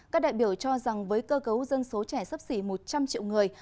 các đại biểu cho rằng với cơ cấu dân số trẻ sấp xỉ một trăm linh triệu người